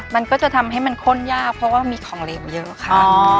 มันก็จะทำให้มันข้นยากเพราะว่ามีของเหลวเยอะค่ะ